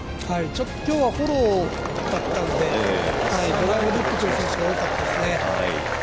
ちょっと今日はフォローだったんでドライブで打ってくる選手が多かったですね。